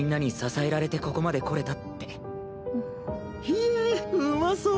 ひえうまそう！